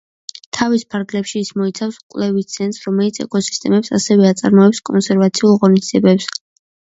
თავის ფარგლებში ის მოიცავს კვლევით ცენტრს რომელიც ეკოსისტემებს, ასევე აწარმოებს კონსერვაციულ ღონისძიებებს.